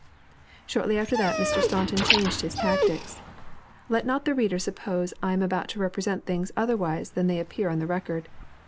Shortly after that Mr. Staunton changed his tactics. Let not the reader suppose I am about to represent things otherwise than they appear on the record.